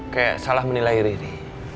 kayak salah menilai riri